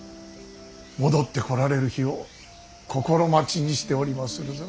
戻ってこられる日を心待ちにしておりまするぞ。